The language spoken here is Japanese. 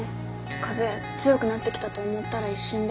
風強くなってきたと思ったら一瞬で。